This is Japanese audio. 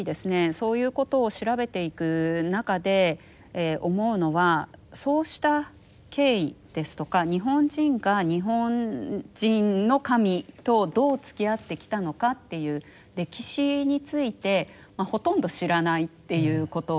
そういうことを調べていく中で思うのはそうした経緯ですとか日本人が日本人の神とどうつきあってきたのかっていう歴史についてほとんど知らないっていうことなんですね。